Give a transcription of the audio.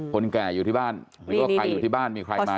คนแก่อยู่ที่บ้านหรือว่าใครอยู่ที่บ้านมีใครมา